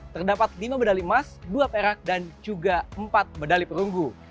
terdapat lima medali emas dua perak dan juga empat medali perunggu